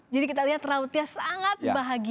jadi kita lihat rautnya sangat bahagia